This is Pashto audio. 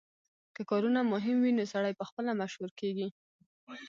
که کارونه مهم وي نو سړی پخپله مشهور کیږي